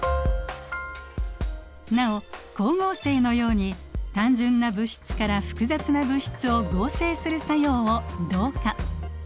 なお光合成のように単純な物質から複雑な物質を合成する作用を「同化」。